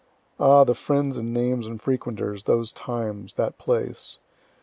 Ah, the friends and names and frequenters, those times, that place.